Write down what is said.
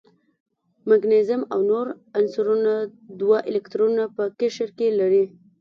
مګنیزیم او نور عنصرونه دوه الکترونه په قشر کې لري.